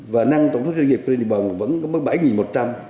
và năng tổng thức doanh nghiệp của liên hiệp vân vẫn có bảy một trăm linh